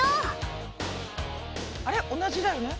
あれ同じだよね。